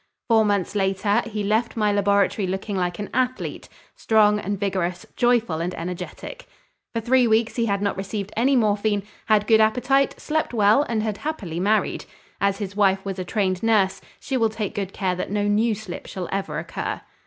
Four months later, he left my laboratory looking like an athlete, strong and vigorous, joyful and energetic. For three weeks he had not received any morphine, had good appetite, slept well, and had happily married. As his wife was a trained nurse, she will take good care that no new slip shall ever occur.